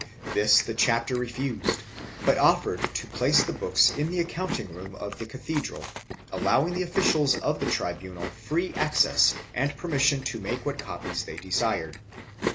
This the chapter refused but offered to place the books in the accounting room of the cathedral, allowing the officials of the tribunal free access and permission to make what copies they desired.